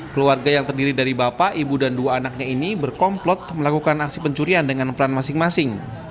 keluarga yang terdiri dari bapak ibu dan dua anaknya ini berkomplot melakukan aksi pencurian dengan peran masing masing